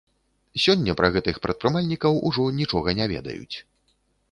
Сёння пра гэтых прадпрымальнікаў ужо нічога не ведаюць.